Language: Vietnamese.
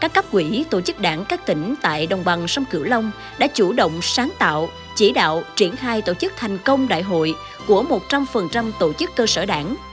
các cấp quỹ tổ chức đảng các tỉnh tại đồng bằng sông cửu long đã chủ động sáng tạo chỉ đạo triển khai tổ chức thành công đại hội của một trăm linh tổ chức cơ sở đảng